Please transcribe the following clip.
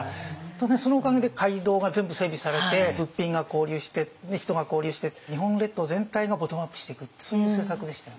当然そのおかげで街道が全部整備されて物品が交流して人が交流して日本列島全体のボトムアップしていくってそういう政策でしたよね。